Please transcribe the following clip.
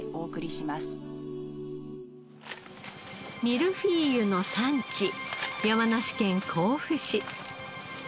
ミルフィーユの産地山梨県甲府市。